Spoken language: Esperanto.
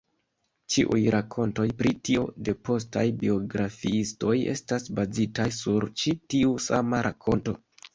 Ĉiuj rakontoj pri tio de postaj biografiistoj estas bazitaj sur ĉi tiu sama rakonto.